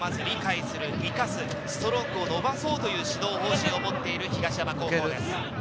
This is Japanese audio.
自分の特徴をまずは理解する、生かす、ストロングを伸ばそうという指導方針をもっている東山高校です。